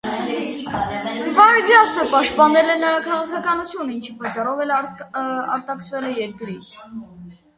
Վարգասը պաշտպանել է նրա քաղաքականությունը, ինչի պատճառով էլ արտաքսվել է երկրից։